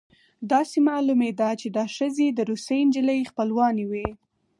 داسې معلومېده چې دا ښځې د روسۍ نجلۍ خپلوانې وې